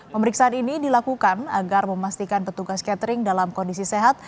pemeriksaan ini dilakukan agar memastikan petugas catering dalam kondisi sehat